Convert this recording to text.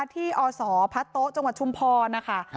ที่อศพะโตะจชุมภนะคะ